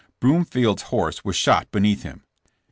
Broom field's horse was shot beneath him.